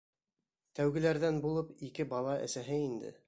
Тәүгеләрҙән булып ике бала әсәһе инде.